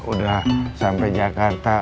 udah sampai jakarta